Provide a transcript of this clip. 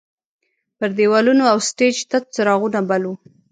پر دیوالونو او سټیج تت څراغونه بل وو.